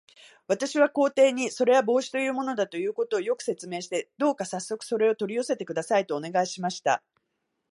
私は皇帝に、それは帽子というものだということを、よく説明して、どうかさっそくそれを取り寄せてください、とお願いしました。